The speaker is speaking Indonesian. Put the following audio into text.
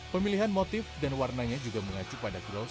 pemilihan motif dan warnanya juga mengacu pada growd